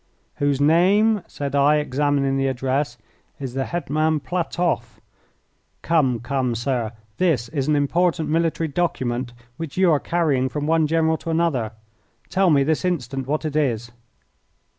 "Whose name," said I, examining the address, "is the Hetman Platoff. Come, come, sir, this is an important military document, which you are carrying from one general to another. Tell me this instant what it is."